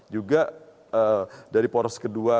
juga dari poros kedua